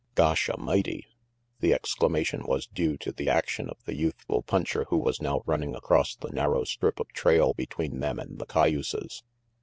Gosh A'mighty! " The exclamation was due to the action of the youthful puncher who was now running across the narrow strip of trail between them and the cayuses.